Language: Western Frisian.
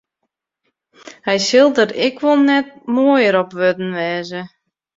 Hy sil der ek wol net moaier op wurden wêze.